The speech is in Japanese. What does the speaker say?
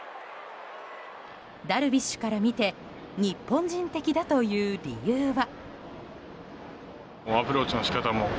ダルビッシュから見て日本人的だという理由は。